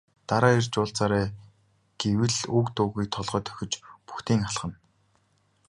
Дараа ирж уулзаарай гэвэл үг дуугүй толгой дохиж бөгтийн алхана.